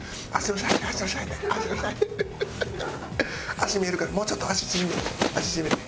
足見えるからもうちょっと足縮めて足縮めて。